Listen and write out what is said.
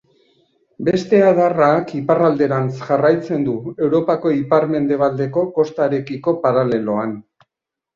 Beste adarrak iparralderantz jarraitzen du Europako ipar-mendebaldeko kostarekiko paraleloan.